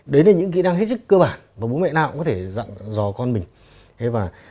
đấy là những kỹ năng hết sức cơ bản và bố mẹ nào cũng có thể dặn dò con mình